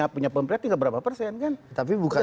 punya pembeli tiga berapa persen kan